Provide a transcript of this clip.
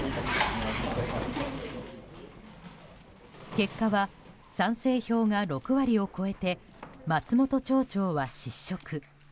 結果は、賛成票が６割を超えて松本町長は失職。